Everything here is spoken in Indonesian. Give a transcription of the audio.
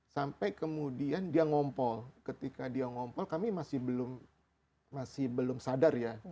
sampai kemudian dia ngompol ketika dia ngompol kami masih belum sadar ya